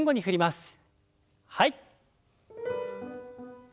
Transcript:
はい。